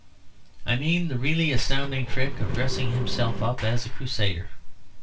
I mean the really astounding trick of dressing himself up as a Crusader.